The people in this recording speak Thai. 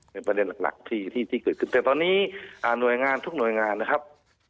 เป็นประเด็นหลักที่เกิดขึ้นแต่ตอนนี้หน่วยงานทุกหน่วยงานนะครับ